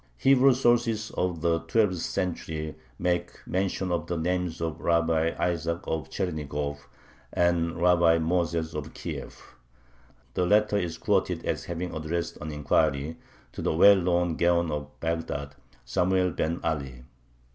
Hebrew sources of the twelfth century make mention of the names of Rabbi Isaac of Chernigov and Rabbi Moses of Kiev. The latter is quoted as having addressed an inquiry to the well known Gaon of Bagdad, Samuel ben Ali.